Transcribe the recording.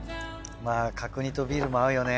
角煮とビールも合うよね。